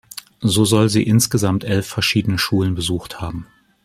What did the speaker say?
So soll sie insgesamt elf verschiedene Schulen besucht haben.